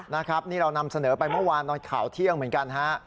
นะครับนี่เรานำเสนอไปเมื่อวานตอนข่าวเที่ยงเหมือนกันฮะ